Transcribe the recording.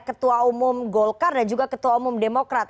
ketua umum golkar dan juga ketua umum demokrat